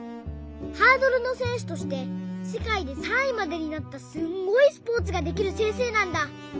ハードルのせんしゅとしてせかいで３いまでになったすんごいスポーツができるせんせいなんだ。